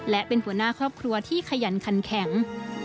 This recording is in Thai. และเป็นหัวหน้าครอบครัวที่ขยันขันแข็ง